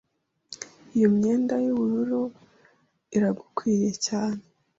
Iyo myenda yubururu iragukwiriye cyane.